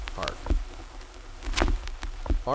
Hark! Art.